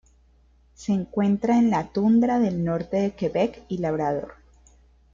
Se encuentra en la tundra del norte de Quebec y Labrador.